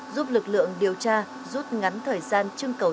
giúp lực lượng điều tra rút ngắn thời gian trưng cầu